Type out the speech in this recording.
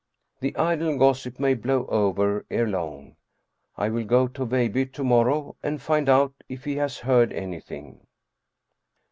The idle gossip may blow over ere long. I will go to Veilbye to morrow and find out if he has heard anything.